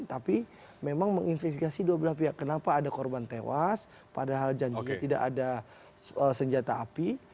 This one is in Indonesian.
tapi memang menginvestigasi dua belah pihak kenapa ada korban tewas padahal janjinya tidak ada senjata api